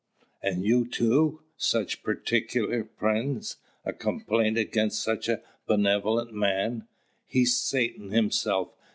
"And you too! Such particular friends! A complaint against such a benevolent man?" "He's Satan himself!"